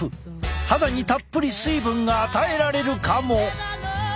肌にたっぷり水分が与えられるかも！